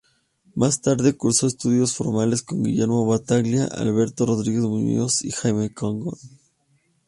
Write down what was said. Más tarde cursó estudios formales con Guillermo Battaglia, Alberto Rodríguez Muñoz y Jaime Kogan.